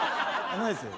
ないですよ。